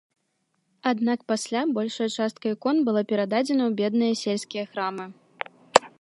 Аднак, пасля, большая частка ікон была перададзена ў бедныя сельскія храмы.